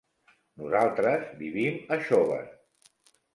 Nosaltres vivim a Xóvar.